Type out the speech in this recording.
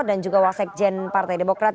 dan juga wasik jain partai demokrat